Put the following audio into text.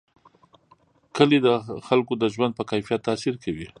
کلي د خلکو د ژوند په کیفیت تاثیر کوي.